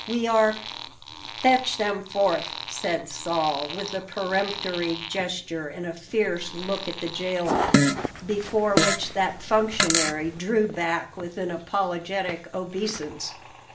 We are " "Fetch them forth," said Saul, with a peremptory gesture and a fierce look at the jailer, before which that functionary drew back with an apologetic obeisance.